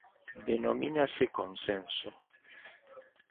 Denomínase Consenso.